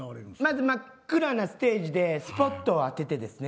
まず真っ暗なステージでスポットを当ててですね